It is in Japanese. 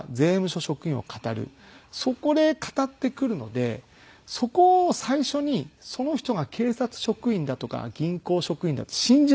そこでかたってくるのでそこを最初にその人が警察職員だとか銀行職員だって信じない事です。